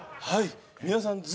はい皆さん